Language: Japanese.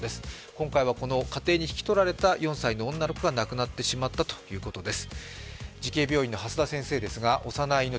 今回はこの家庭に引き取られた４歳の女の子が亡くなってしまったということです。